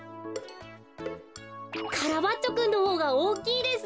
カラバッチョくんのほうがおおきいです。